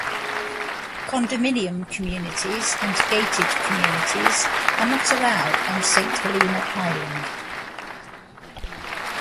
Condominium communities and gated communities are not allowed on Saint Helena Island.